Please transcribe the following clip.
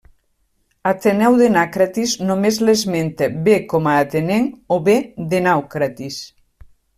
Ateneu de Naucratis només l'esmenta bé com a atenenc o bé de Naucratis.